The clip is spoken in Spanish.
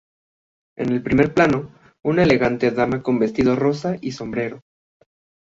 En el primer plano, una elegante dama con vestido rosa y sombrero.